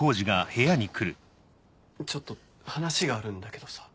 ちょっと話があるんだけどさ。